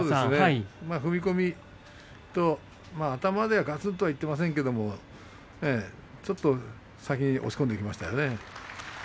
踏み込みと頭ではガツンといっていませんけれどもちょっと先に押し込んでいきましたよね。